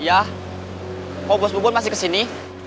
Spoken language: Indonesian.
oh bos bubun masih kesini